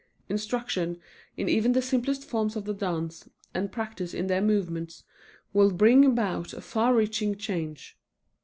Instruction in even the simplest forms of the dance, and practice in their movements, will bring about a far reaching change.